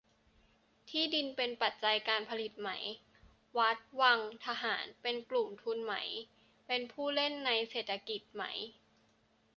ที่ดินเป็นปัจจัยการผลิตไหม ? วัด วัง ทหาร เป็นกลุ่มทุนไหม เป็นผู้เล่นในเศรษฐกิจไหม